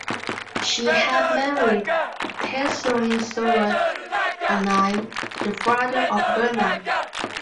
She had married Tescelin Sorus, a knight, the father of Bernard.